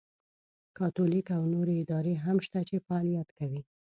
کاتولیک او نورې ادارې هم شته چې فعالیت کوي.